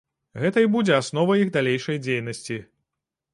Гэта і будзе асновай іх далейшай дзейнасці.